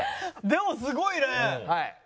でもすごいね！